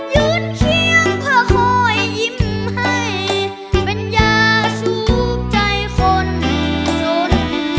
ยืนเคียงเพื่อคอยยิ้มให้เป็นยาสูบใจคนจน